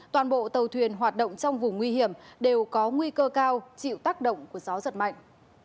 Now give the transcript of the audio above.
toàn bộ tàu thuyền hoạt động trong vùng nguy hiểm đều có nguy cơ cao chịu tác động của gió giật mạnh